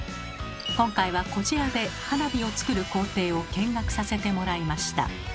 今回はこちらで花火を作る工程を見学させてもらいました。